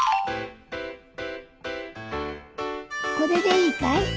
これでいいかい？